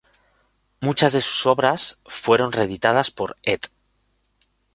Muchas de sus obras fueron reeditadas por Ed.